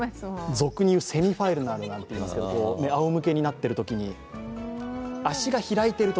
俗に言うセミファイナルなんていいますが、あおむけになっているときに、足が開いていると